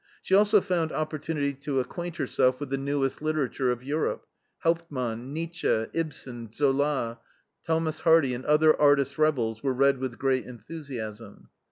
She also found opportunity to acquaint herself with the newest literature of Europe: Hauptmann, Nietzsche, Ibsen, Zola, Thomas Hardy, and other artist rebels were read with great enthusiasm.